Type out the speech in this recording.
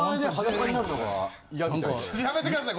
これやめてください。